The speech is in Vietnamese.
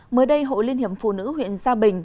mới đây hội liên hiệp phụ nữ huyện gia bình